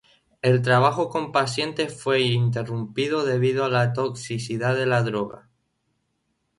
El trabajo con pacientes fue interrumpido debido a la toxicidad de la droga.